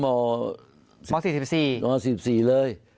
หมอ๔๔นะครับหมอ๔๔เลย